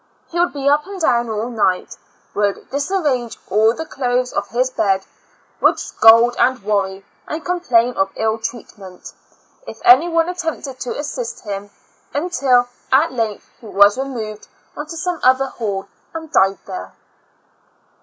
He would be up and down all night j would disarrange all the clothes of his 68 "Two Years and Four Months bed; would scold and worry, and complain of ill treatment, if any one attempted to assist him; until at length he was removed on to some other hall and died there.